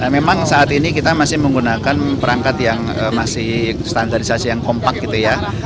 memang saat ini kita masih menggunakan perangkat yang masih standarisasi yang kompak gitu ya